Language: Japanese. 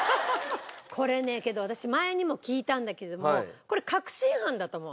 これねけど私前にも聞いたんだけどもこれ確信犯だと思う。